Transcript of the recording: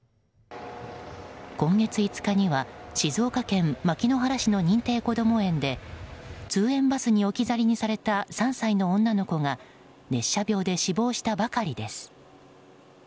今月５日には静岡県牧之原市の認定こども園で通園バスに置き去りにされた３歳の女の子が熱射病で死亡したばかりです。